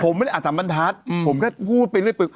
ผมไม่ได้อาสัมบรรทัศน์ผมแค่พูดไปเรื่อย